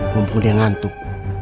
mumpung dia ngantuk